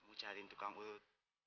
kamu cari tukang urut